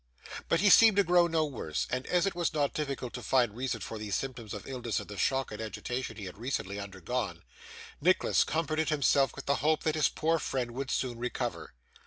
But he seemed to grow no worse, and, as it was not difficult to find a reason for these symptoms of illness in the shock and agitation he had recently undergone, Nicholas comforted himself with the hope that his poor friend would soon recover.